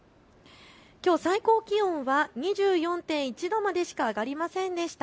きょう最高気温は２４．１度までしか上がりませんでした。